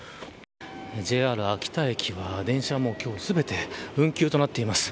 ＪＲ秋田駅は電車はもう今日全て運休となっています。